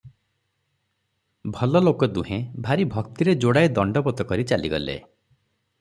ଭଲଲୋକ ଦୁହେଁ ଭାରି ଭକ୍ତିରେ ଯୋଡ଼ାଏ ଦଣ୍ଡବତ କରି ଚାଲିଗଲେ ।